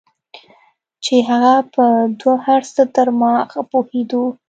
چې هغه په دو هرڅه تر ما ښه پوهېدو.